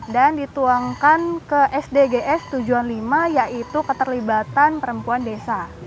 dan dituangkan ke sdgs tujuan lima yaitu keterlibatan perempuan desa